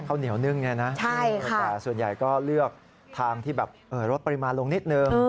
ข้าวเหนียวนึ่งเนี่ยนะแต่ส่วนใหญ่ก็เลือกทางที่แบบลดปริมาณลงนิดนึง